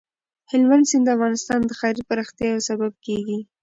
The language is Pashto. هلمند سیند د افغانستان د ښاري پراختیا یو سبب کېږي.